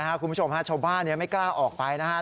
คุณผู้ชมฮะชาวบ้านไม่กล้าออกไปนะครับ